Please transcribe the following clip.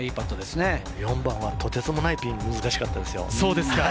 ４番はとてつもないピン、難しかったです。